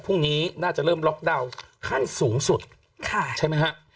พรุ่งนี้น่าจะเริ่มล็อกดาวน์ขั้นสูงสุดใช่ไหมฮะ